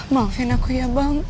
maafin aku ya bang